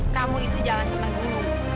kamu itu jangan senang dulu